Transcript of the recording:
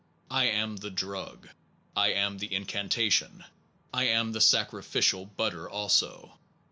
I am the drug. I am the incantation. I am the sacrificial butter also.